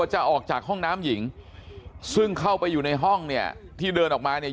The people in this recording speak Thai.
จะออกจากห้องน้ำหญิงซึ่งเข้าไปอยู่ในห้องเนี่ยที่เดินออกมาเนี่ย